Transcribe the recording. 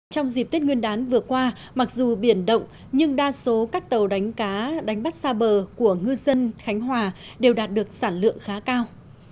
trong dịp tết nguyên đán vừa qua mặc dù biển động nhưng đa số các tàu đánh cá đánh bắt xa bờ của ngư dân khánh hòa đều đạt được sản lượng khá cao